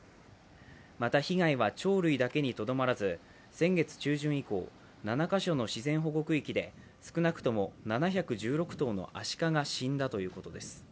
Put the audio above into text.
また、被害は鳥類だけにとどまらず先月中旬以降７か所の自然保護区域で少なくとも７１６頭のアシカが死んだということです。